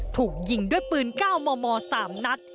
ถูกยิงด้วยปืนก้าวมอสามนัด